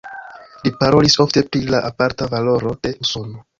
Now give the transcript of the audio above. Li parolis ofte pri la aparta valoro de Usono.